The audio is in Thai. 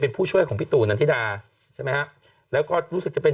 เป็นผู้ช่วยของพี่ตู่นันทิดาใช่ไหมฮะแล้วก็รู้สึกจะเป็น